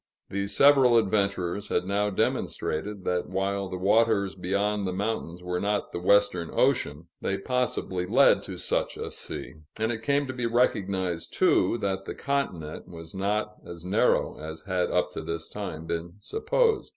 These several adventurers had now demonstrated that while the waters beyond the mountains were not the Western Ocean, they possibly led to such a sea; and it came to be recognized, too, that the continent was not as narrow as had up to this time been supposed.